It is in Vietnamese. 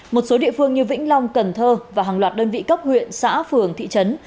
một số địa phương như vĩnh long cần thơ và hàng loạt đơn vị cấp huyện xã phường thị trấn